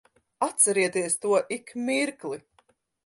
Atcerieties to ik mirkli.